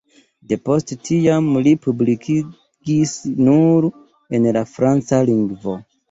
Depost tiam li publikigis nur en la franca lingvo.